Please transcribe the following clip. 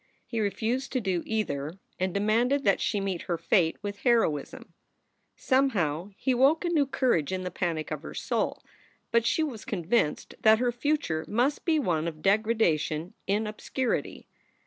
He refused to do either and demanded that she meet her fate with heroism. Somehow he woke a new courage in the panic of her soul, but she was convinced that her future must be one of degradation in obscurity.